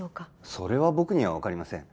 それは僕には分かりません